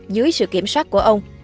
dưới sự kiểm soát của ông